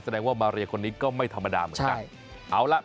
แสดงว่ามาเรียคนนี้ก็ไม่ธรรมดาเหมือนกัน